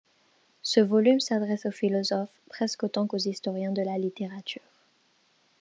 Ce volume s'adresse aux philosophes presque autant qu'aux historiens de la littérature.